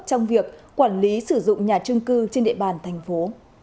trong việc quản lý sử dụng nhà trung cư trên địa bàn thành phố